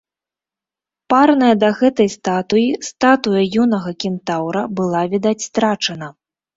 Парная да гэтай статуі статуя юнага кентаўра была, відаць, страчана.